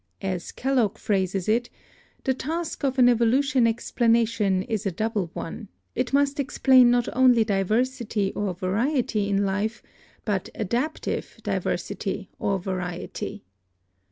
As Kellogg phrases it, "The task of an evolution explanation is a double one; it must explain not only diversity or variety in life, but adaptive diversity or variety."